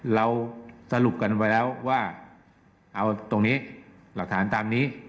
เราสรุปกันไว้แล้วว่าเอาตรงนี้หลักฐานตามนี้